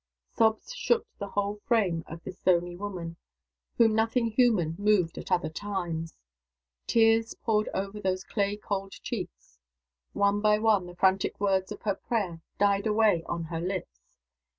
Sobs shook the whole frame of the stony woman whom nothing human moved at other times. Tears poured over those clay cold cheeks. One by one, the frantic words of her prayer died away on her lips.